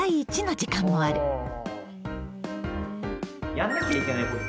やんなきゃいけないこと